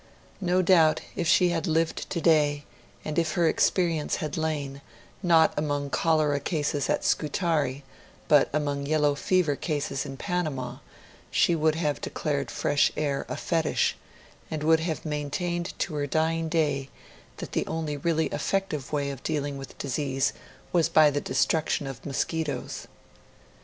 No doubt, if she had lived today, and if her experience had lain, not among cholera cases at Scutari, but among yellow fever cases in Panama, she would have declared fresh air a fetish, and would have maintained to her dying day that the only really effective way of dealing with disease was by the destruction of mosquitoes.